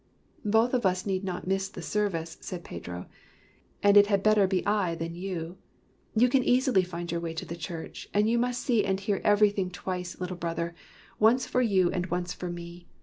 " Both of us need not miss the service," said Pedro, " and it had better be I than you. You can easily find your way to the church; and you must see and hear everything twice, Little Brother — once for you and once for me.